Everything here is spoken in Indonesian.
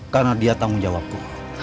karena dia tanggung jawabku